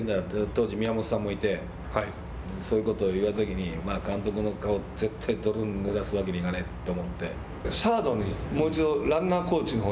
当時宮本さんもいてそういうことを言われたときに監督の顔絶対泥を塗らすわけにはいかないって。